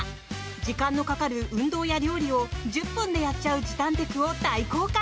時間のかかる運動や料理を１０分でやっちゃう時短テクを大公開！